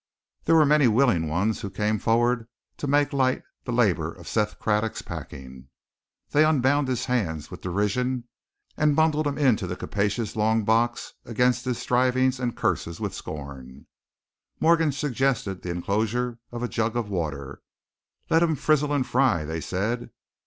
There were many willing ones who came forward to make light the labor of Seth Craddock's packing. They unbound his hands with derision and bundled him into the capacious long box against his strivings and curses with scorn. Morgan suggested the enclosure of a jug of water. Let him frizzle and fry, they said.